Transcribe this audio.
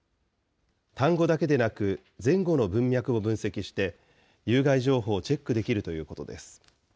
単語だけでなく、前後の文脈も分析して有害情報をチェックできるということです。